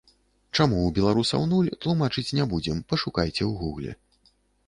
Чаму ў беларусаў нуль, тлумачыць не будзем, пашукайце ў гугле.